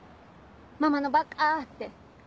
「ママのバカ！」って。